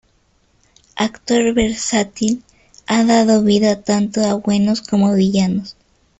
Actor versátil, ha dado vida tanto a buenos como villanos.